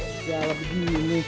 sudah berhenti berhenti